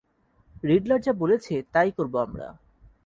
Riddler যা বলেছে, তাই করব আমরা।